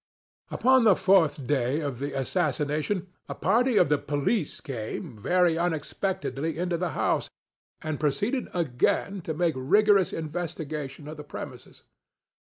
Upon the fourth day of the assassination, a party of the police came, very unexpectedly, into the house, and proceeded again to make rigorous investigation of the premises.